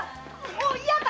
もうやだ！